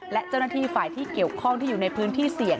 และเจ้าหน้าที่ฝ่ายที่เกี่ยวข้องที่อยู่ในพื้นที่เสี่ยง